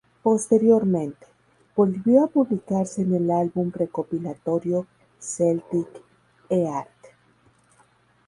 Posteriormente, volvió a publicarse en el álbum recopilatorio "Celtic Heart".